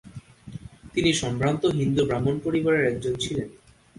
তিনি সম্ভ্রান্ত হিন্দু ব্রাহ্মণ পরিবারের একজন ছিলেন।